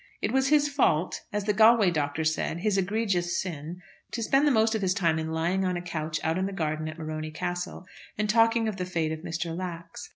It was his fault, as the Galway doctor said his egregious sin, to spend the most of his time in lying on a couch out in the garden at Morony Castle, and talking of the fate of Mr. Lax.